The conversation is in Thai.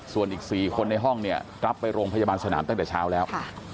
ส่วนอีก๔คนในห้องเนี่ยรับไปโรงพยาบาลสนามตั้งแต่เช้าแล้ว